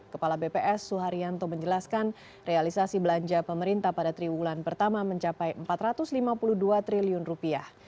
kepala bps suharyanto menjelaskan realisasi belanja pemerintah pada triwulan pertama mencapai empat ratus lima puluh dua triliun rupiah